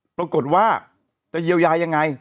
ปรากฏว่าจะเยียวยายังไง